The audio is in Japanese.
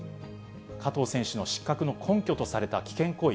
加藤選手の失格の根拠とされた危険行為。